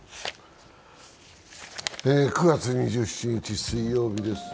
９月２７日、水曜日です。